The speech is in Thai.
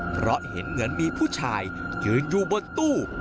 เพราะเห็นเหมือนมีผู้ชายยืนอยู่บนตู้